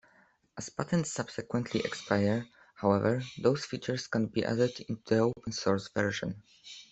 As patents subsequently expire, however, those features can be added into the open-source version.